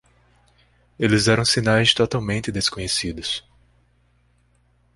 Eles eram sinais totalmente desconhecidos.